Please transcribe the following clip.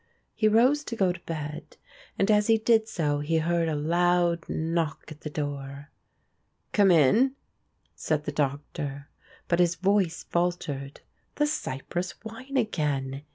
He rose to go to bed, and as he did so he heard a loud knock at the door. "Come in," said the Doctor, but his voice faltered ("the Cyprus wine again!"